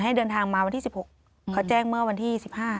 เดินทางมาวันที่๑๖เขาแจ้งเมื่อวันที่๑๕